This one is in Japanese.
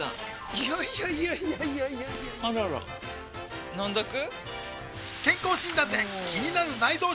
いやいやいやいやあらら飲んどく？